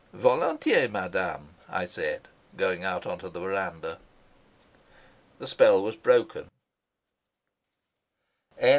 ", Madame," I said, going out on to the verandah. The spell was broken.